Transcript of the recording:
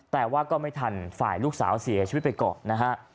แต่ว่าก็ไม่ทันฝ่ายลูกสาวเสียชีวิตไปก่อนนะฮะ